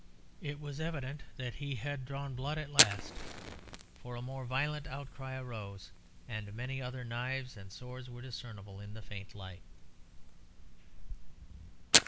It was evident that he had drawn blood at last, for a more violent outcry arose, and many other knives and swords were discernible in the faint light.